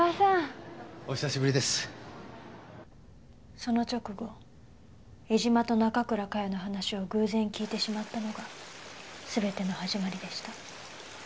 その直後江島と中倉佳世の話を偶然聞いてしまったのが全ての始まりでした。